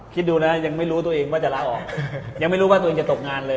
คิดดูนะยังไม่รู้ตัวเองว่าจะลาออกยังไม่รู้ว่าตัวเองจะตกงานเลย